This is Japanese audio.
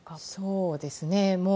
そうですね。